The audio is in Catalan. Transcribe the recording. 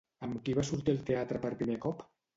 Amb qui va sortir al teatre per primer cop?